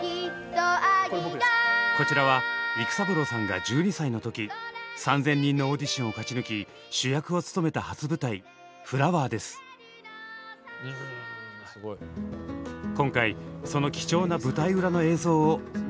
こちらは育三郎さんが１２歳の時３，０００人のオーディションを勝ち抜き主役を務めた初舞台「フラワー」です。今回その貴重な舞台裏の映像を入手しました。